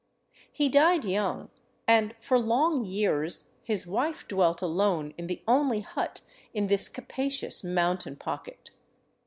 He died young, and for long years his wife dwelt alone in the only hut in this capacious mountain pocket.